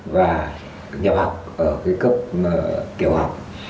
và nhập học ở cấp kiểu học